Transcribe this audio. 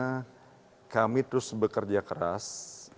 karena kami terus bekerja keras